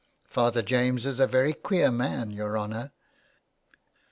Father James is a very queer man, your honour."